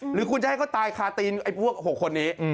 หรือคุณจะให้เขาตายคาตีนไอ้พวก๖คนนี้